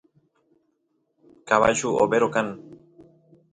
cabullu overo kan